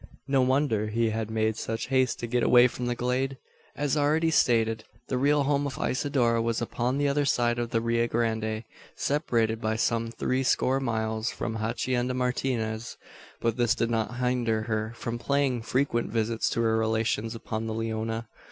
No wonder he had made such haste to get away from the glade. As already stated, the real home of Isidora was upon the other side of the Rio Grande separated by some three score miles from the Hacienda Martinez. But this did not hinder her from paying frequent visits to her relations upon the Leona.